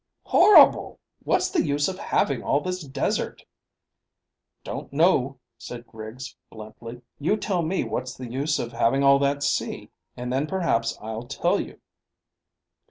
"Horrible! What's the use of having all this desert?" "Don't know," said Griggs bluntly. "You tell me what's the use of having all that sea, and then perhaps I'll tell you."